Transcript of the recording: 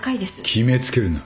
決め付けるな。